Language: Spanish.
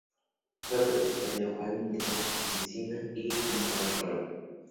Fue protector de Juan del Encina y de Cristóbal Colón.